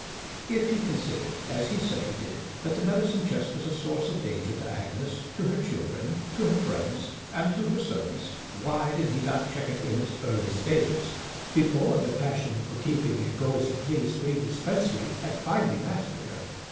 If he considered, as he said he did, that the medicine chest was a source of danger to Agnes, to her children, to her friends, and to her servants, why did he not check it in its early stages before the passion for keep ing a go as you please free dispensary had finally mas tered her?